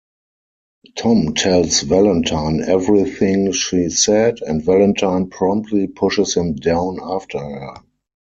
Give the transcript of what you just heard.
Tom tells Valentine everything she said, and Valentine promptly pushes him down after her.